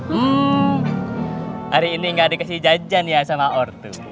hmm hari ini gak dikasih jajan ya sama ortu